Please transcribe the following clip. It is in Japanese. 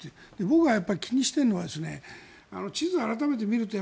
僕が気にしているのは地図を改めて見ると